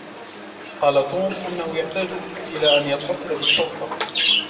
قال توم أنه يحتاج إلى أن يتصل بالشرطة.